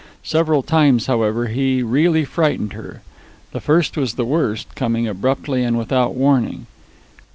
Several times, however, he really frightened her. The first was the worst, coming abruptly and without warning.